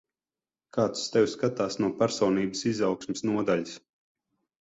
Kāds uz tevi skatās no personības izaugsmes nodaļas.